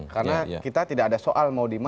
karena kita tidak ada soal mau dimana